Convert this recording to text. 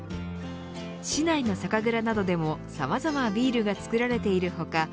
市内の酒蔵などでもさまざまなビールが作られている他